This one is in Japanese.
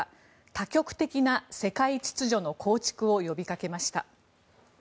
多極的な世界秩序の構築を呼びかけました。